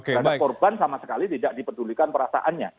terhadap korban sama sekali tidak diperdulikan perasaannya